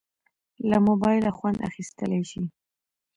له موبایله خوند اخیستیلی شې.